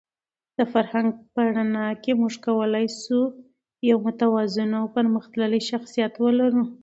د فرهنګ په رڼا کې موږ کولای شو یو متوازن او پرمختللی شخصیت ولرو.